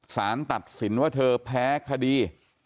สารตัดสินว่าเธอแพ้คดี